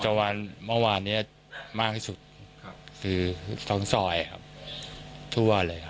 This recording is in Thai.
จนเมื่อวานเนี่ยมากที่สุดครับคือสองสอยครับทั่วเลยครับ